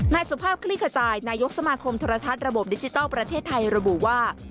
นายสุภาพคลี่ขจายนายกสมาคมโทรทัศน์ระบบดิจิทัลประเทศไทยระบุว่า